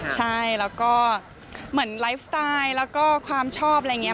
ใช่แล้วก็เหมือนไลฟ์สไตล์แล้วก็ความชอบอะไรอย่างนี้